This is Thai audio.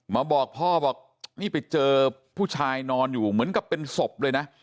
บอกพ่อบอกนี่ไปเจอผู้ชายนอนอยู่เหมือนกับเป็นศพเลยนะ